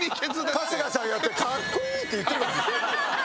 春日さんやって「かっこいい！」って言ってるかも。